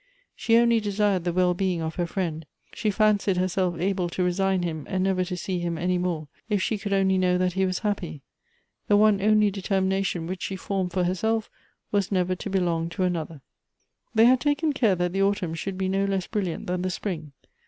She only desired the well being of her friend. She fancied herself able to resign him, and nevcjr to see him .any more, if she could only know that he wa^ h.ippy.!! The one only determin.ition which she fonned for herself was never to belong to another, i They had taken care that the autumn should be no less brilliant than the spring.